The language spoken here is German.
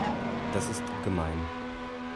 Das ist gemein.